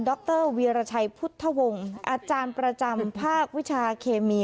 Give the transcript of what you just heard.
รวีรชัยพุทธวงศ์อาจารย์ประจำภาควิชาเคมี